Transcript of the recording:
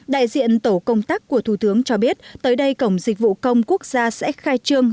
đại diện tổ công tác của thủ tướng cho biết tới đây cổng dịch vụ công quốc gia sẽ khai trương